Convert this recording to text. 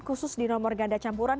khusus di nomor ganda campuran